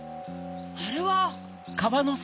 あれは。